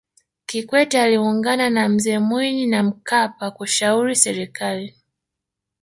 kikwete aliungana na mzee mwinyi na mkapa kushauri serikali